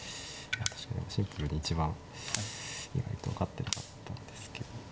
確かにシンプルに一番意外と分かってなかったんですけど。